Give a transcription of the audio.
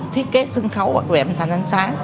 thiết kế sân khấu hoặc về âm thanh ánh sáng